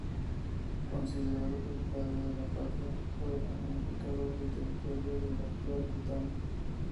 Considerado el padre de la patria fue el unificador del territorio del actual Bután.